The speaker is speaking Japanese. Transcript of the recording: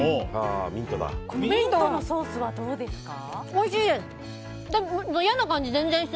ミントのソースはどうですか？